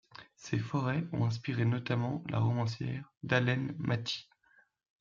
Ces forêts ont inspiré notamment la romancière Dalene Matthee.